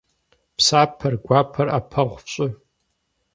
Псапэр, гуапэр Iэпэгъу фщIы.